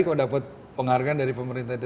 kok dapat penghargaan dari pemerintah